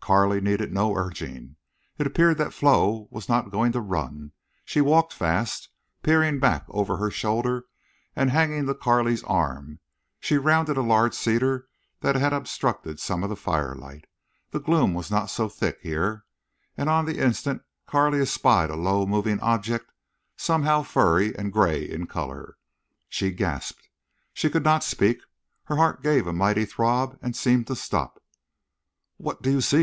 Carley needed no urging. It appeared that Flo was not going to run. She walked fast, peering back over her shoulder, and, hanging to Carley's arm, she rounded a large cedar that had obstructed some of the firelight. The gloom was not so thick here. And on the instant Carley espied a low, moving object, somehow furry, and gray in color. She gasped. She could not speak. Her heart gave a mighty throb and seemed to stop. "What—do you see?"